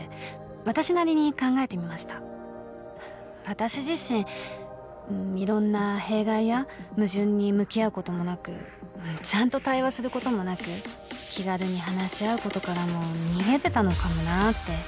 私自身いろんな弊害や矛盾に向き合うこともなくちゃんと対話することもなく気軽に話し合うことからも逃げてたのかもなって。